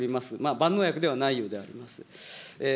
万能薬ではないようであります。